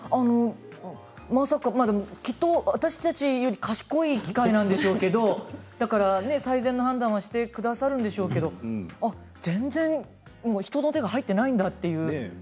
まさかきっと私たちより賢い機械なんでしょうけどだから最善の判断をしてくださるでしょうけど全然、人の手が入っていないんだという。